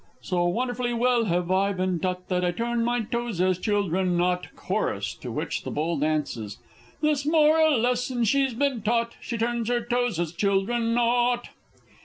So wonderfully well have I been taught, That I turn my toes as children ought! Chorus (to which the Bull dances). This moral lesson she's been taught She turns her toes as children ought!